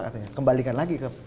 katanya kembalikan lagi ke